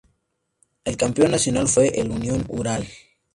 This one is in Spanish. El campeón nacional fue el Unión Huaral.